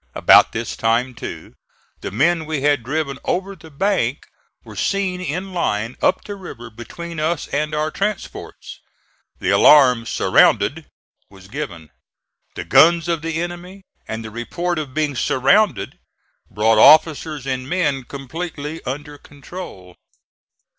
About this time, too, the men we had driven over the bank were seen in line up the river between us and our transports. The alarm "surrounded" was given. The guns of the enemy and the report of being surrounded, brought officers and men completely under control.